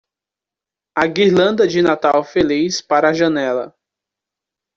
A guirlanda de Natal feliz para a janela.